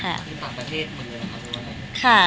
มีต่างประเทศหมดเลยหรือเปล่า